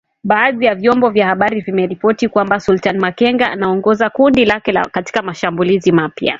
Baadhi ya vyombo vya habari vimeripoti kwamba Sultani Makenga anaongoza kundi lake katika mashambulizi mapya.